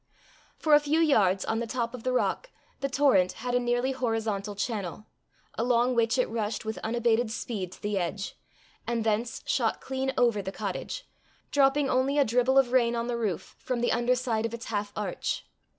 For a few yards on the top of the rock, the torrent had a nearly horizontal channel, along which it rushed with unabated speed to the edge, and thence shot clean over the cottage, dropping only a dribble of rain on the roof from the underside of its half arch.